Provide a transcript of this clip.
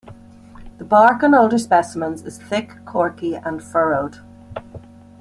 The bark on older specimens is thick, corky and furrowed.